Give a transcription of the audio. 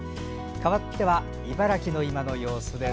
かわっては茨城の今の様子です。